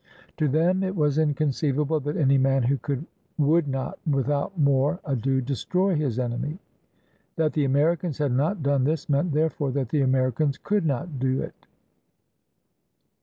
To them it was inconceivable that any man who could would not with out more ado destroy his enemy. That the Americans had not done this meant therefore that the Americans could not do it.